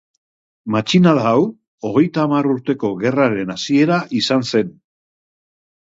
Matxinada hau Hogeita Hamar Urteko Gerraren hasiera izan zen.